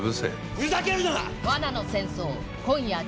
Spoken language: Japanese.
ふざけるな！